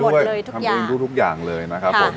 หมดเลยทุกอย่างทำเองด้วยทุกอย่างเลยนะครับ